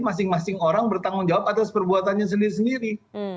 masing masing orang bertanggung jawab atas perbuatannya sendiri sendiri